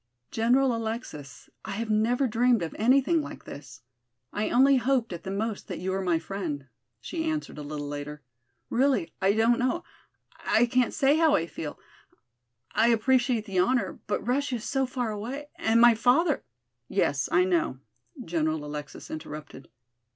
"General Alexis, I have never dreamed of anything like this. I only hoped at the most that you were my friend," she answered a little later. "Really, I don't know I can't say how I feel. I appreciate the honor, but Russia is so far away, and my father " "Yes, I know," General Alexis interrupted.